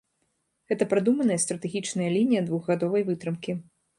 Гэта прадуманая стратэгічная лінія двухгадовай вытрымкі.